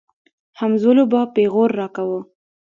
همزولو به پيغور راکاوه.